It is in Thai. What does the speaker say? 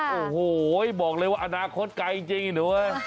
โอ้โหบอกเลยว่าอนาคตไกลจริงหนูเอ้ย